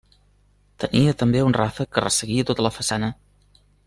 Tenia també un ràfec que resseguia tota la façana.